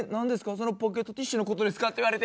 そのポケットティッシュのことですか」って言われて。